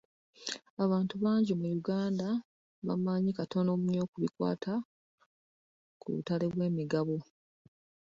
Abantu bangi mu Uganda bamanyi katono nnyo ku bikwaata ku butale bw'emigabo.